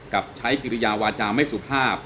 กับใช้กิริยาวาจาไม่สุภาพ